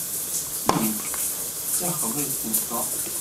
Nekk d taxḍibt n Tom.